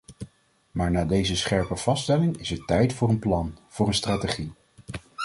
Maar na deze scherpe vaststelling is het tijd voor een plan, voor een strategie.